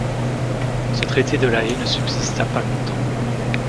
Ce traité de La Haye ne subsista pas longtemps.